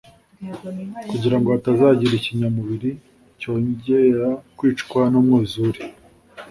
kugira ngo hatazagira ikinyamubiri cyongera kwicwa n'umwuzure